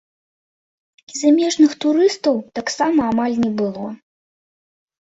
І замежных турыстаў таксама амаль не было.